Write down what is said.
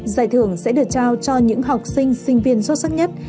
giải thưởng sẽ được trao cho những học sinh sinh viên xuất sắc nhất